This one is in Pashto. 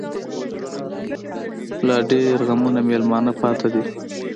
لا ډيـر غمـــــونه مېلـــمانه پــاتې دي